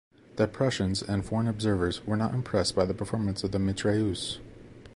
The Prussians and foreign observers were not impressed by the performance of the mitrailleuse.